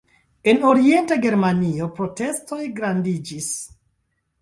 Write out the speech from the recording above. En orienta Germanio protestoj grandiĝis.